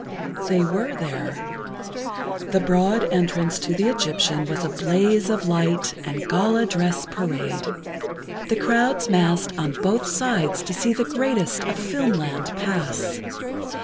They were there. The broad entrance to the Egyptian was a blaze of light and gala dress parade. The crowds massed on both sides to see the greatest of filmland pass.